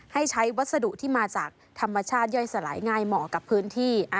ให้ใช้วัสดุที่มาจากธรรมชาติย่อยสลายง่ายเหมาะกับพื้นที่